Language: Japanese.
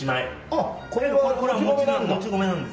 あっこれはもち米なんだ。